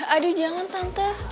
aduh jangan tante